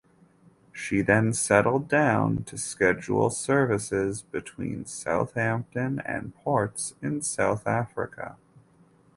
She then settled down to scheduled services between Southampton and ports in South Africa.